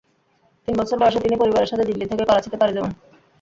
তিন বছর বয়সে তিনি পরিবারের সাথে দিল্লি থেকে করাচিতে পাড়ি জমান।